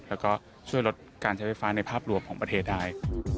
แล้วก็ช่วยลดการใช้ไฟฟ้าในภาพรวมของประเทศได้